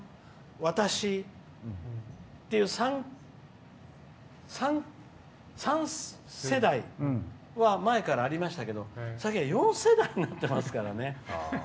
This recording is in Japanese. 私っていう３世代は前からありますけど最近は４世代になってますからね。